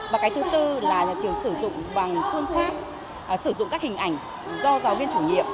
và cái thứ tư là nhà trường sử dụng bằng phương pháp sử dụng các hình ảnh do giáo viên chủ nhiệm